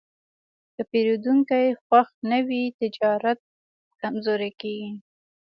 که پیرودونکی خوښ نه وي، تجارت کمزوری کېږي.